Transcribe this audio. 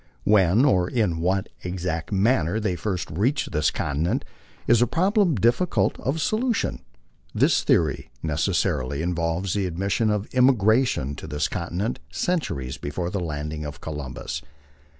When or in what ex act manner they first reached this continent is a problem difficult of solution. This theory necessarily involves the admission of emigration to this conti nent centuries before the landing of Columbus.